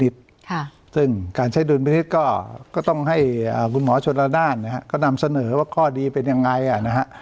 ซึ่งการใช้ดลพินิษฐ์ก็ต้องให้คุณหมอโชนลาน่านนะครับกำลังเสนอว่าข้อดีเป็นยังไงี้อ่า